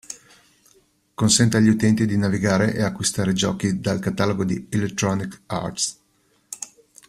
Consente agli utenti di navigare e acquistare giochi dal catalogo di Electronic Arts.